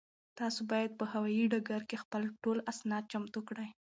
تاسو باید په هوایي ډګر کې خپل ټول اسناد چمتو کړئ.